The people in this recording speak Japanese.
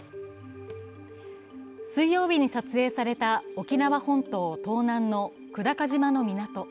水曜日に撮影された沖縄本島東南の久高島の港。